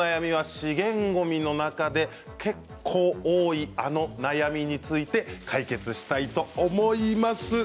資源ごみの中で結構多いあの悩みについて解決したいと思います。